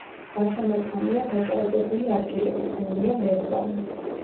გარშემორტყმულია დაჭაობებული ადგილებით, ბევრია ლერწამი.